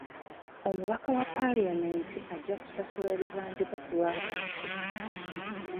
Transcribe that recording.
Omubaka wa paalamenti ajja kusasula ebibanjibwa ku lw'abantu.